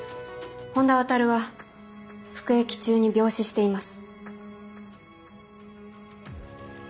本田亘は服役中に病死しています。